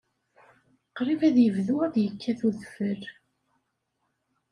Qrib ad yebdu ad yekkat udfel.